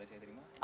boleh saya terima